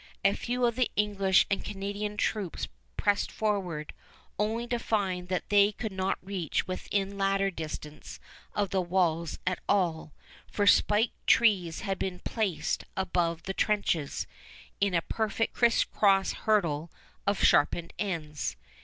A few of the English and Canadian troops pressed forward, only to find that they could not reach within ladder distance of the walls at all, for spiked trees had been placed above the trenches in a perfect crisscross hurdle of sharpened ends.